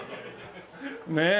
ねえ。